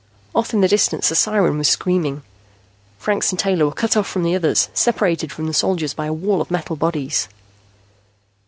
Off in the distance a siren was screaming. Franks and Taylor were cut off from the others, separated from the soldiers by a wall of metal bodies.